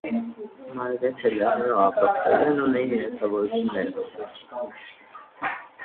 Մաեվիցայի լեռներում ապրող սերբերն ունեին իրենց սովորույթները։